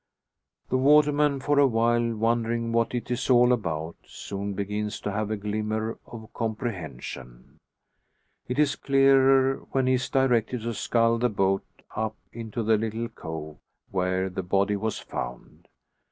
The waterman, for a while wondering what it is all about, soon begins to have a glimmer of comprehension. It is clearer when he is directed to scull the boat up into the little cove where the body was found.